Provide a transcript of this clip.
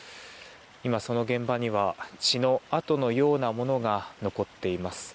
今、その現場には血の痕のようなものが残っています。